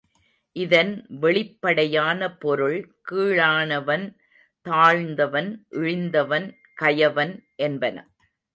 இதன் வெளிப்படையான பொருள் கீழானவன், தாழ்ந்தவன், இழிந்தவன் கயவன் என்பன.